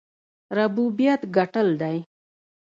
ربوبیت ګټل دی.